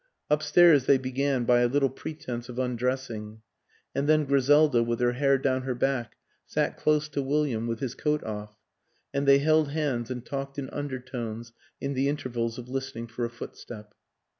Upstairs they began by a little pretense of undressing and then Griselda, with her hair down her back, sat close to William, with his coat off, and they held hands and talked in undertones in the intervals of listening for a footstep.